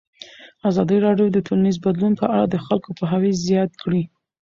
ازادي راډیو د ټولنیز بدلون په اړه د خلکو پوهاوی زیات کړی.